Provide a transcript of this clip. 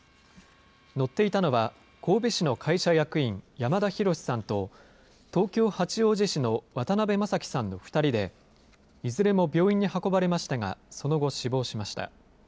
乗っていたのは、神戸市の会社役員、山田広司さんと、東京・八王子市の渡邊正樹さんの２人で、いずれも病院に運ばれましたが、その後、死亡しました。